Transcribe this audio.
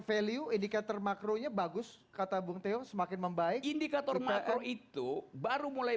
value indikator makronya bagus kata bung teo semakin membaik indikator makro itu baru mulai